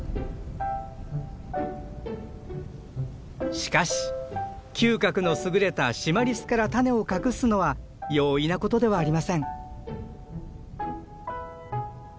しかし嗅覚の優れたシマリスから種を隠すのは容易な事ではありません。